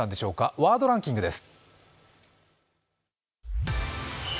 ワードランキングです。